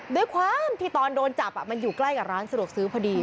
ด้วยความที่ตอนโดนจับมันอยู่ใกล้กับร้านสะดวกซื้อพอดี